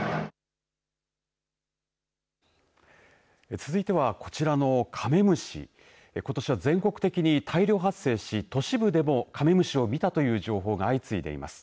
続いてはこちらのカメムシことしは全国的に大量発生し都市部でもカメムシを見たという情報が相次いでいます。